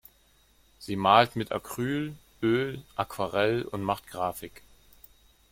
Sie malt mit Acryl, Öl, Aquarell und macht Grafik.